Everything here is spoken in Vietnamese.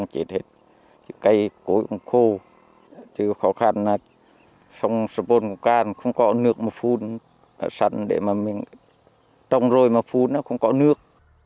cô cũng khô thì khó khăn là sông sà pôn của ca không có nước mà phun sắn để mà mình trồng rồi mà phun nó không có nước